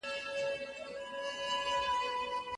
تېر وخت یو تجربه ده.